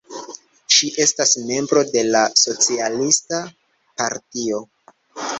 Ŝi estas membro de la Socialista Partio.